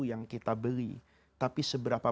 yang kita beli tapi seberapa